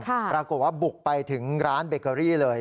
ปรากฏว่าบุกไปถึงร้านเบเกอรี่เลย